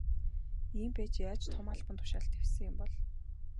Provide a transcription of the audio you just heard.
Ийм байж яаж том албан тушаалд дэвшсэн юм бол.